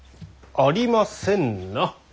ありませんな。